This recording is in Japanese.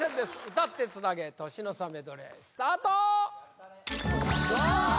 歌ってつなげ年の差メドレースタートあ